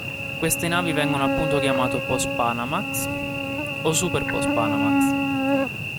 Queste navi vengono appunto chiamate "post-Panamax" o "super post-Panamax".